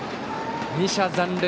２者残塁。